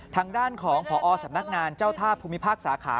ทางด้านของพศนเจ้าทาพภูมิภาคสาขา